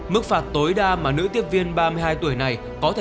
mức phạt tối đa mà nữ tiếp viên ba mươi hai tuổi này có thể nhận là án tội